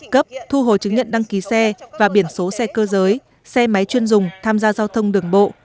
cấp thu hồi chứng nhận đăng ký xe và biển số xe cơ giới xe máy chuyên dùng tham gia giao thông đường bộ